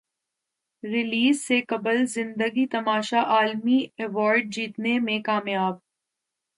release سے قبل زندگی تماشا عالمی ایوارڈ جیتنے میں کامیاب